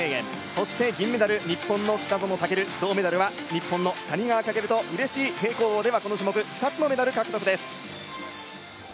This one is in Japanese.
そして銀メダル、日本の北園丈琉銅メダルは、日本の谷川翔とうれしい平行棒ではこの種目２つのメダル獲得です。